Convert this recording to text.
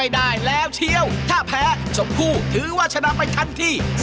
ได้แล้วเชียวถ้าแพ้ชมพู่ถือว่าชนะไปทันที